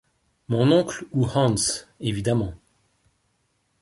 Mon oncle ou Hans, évidemment.